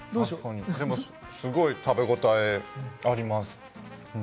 すごい食べ応えがあります。